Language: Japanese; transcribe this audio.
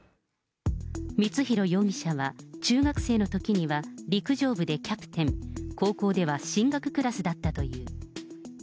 光弘容疑者は中学生のときには陸上部でキャプテン、高校では進学クラスだったという。